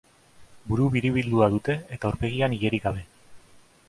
Buru biribildua dute eta aurpegian ilerik gabe.